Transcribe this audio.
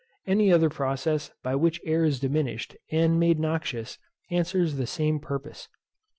Any other process by which air is diminished and made noxious answers the same purpose.